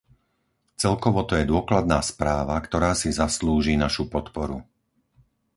Celkovo to je dôkladná správa, ktorá si zaslúži našu podporu.